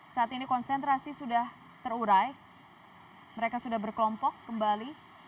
saat ini konsentrasi sudah terurai mereka sudah berkelompok kembali